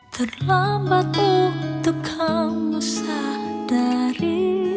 terlambat untuk kamu sadari